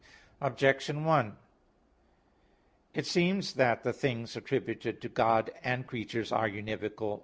Objection 1: It seems that the things attributed to God and creatures are univocal.